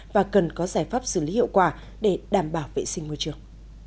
và cần có giải pháp xử lý hiệu quả để đảm bảo vệ sinh môi trường